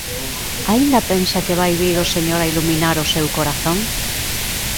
Aínda pensa que vai vir o Señor a iluminar o seu corazón?